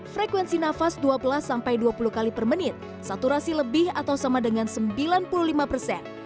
frekuensi nafas dua belas sampai dua puluh kali per menit saturasi lebih atau sama dengan sembilan puluh lima persen